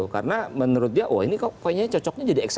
karena menurut dia ini kok cocoknya jadi eksekutif